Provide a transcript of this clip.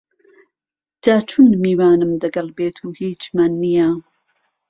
جاچون میوانم دەگەل بێت و هیچمان نییە